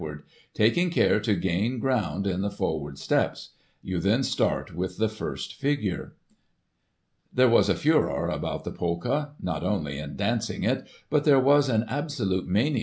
ward, taking ceire to gain ground in the forward steps ; you then start with the first figure. There was a furore about the Polka ; not only in dancing it, but there was an absolute mzph.